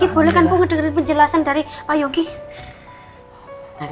boleh kan pung dengerin penjelasan dari pak yogi